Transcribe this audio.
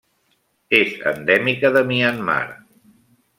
És endèmica de Myanmar.